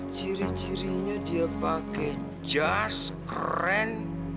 ciri cirinya dia pakai jas keren